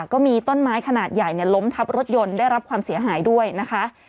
ก็มีต้นไม้ขนาดใหญ่ล้มทับรถยนต์ได้รับความเสียหายด้วยนะคะ